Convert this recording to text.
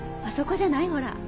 あそこじゃない？ほら。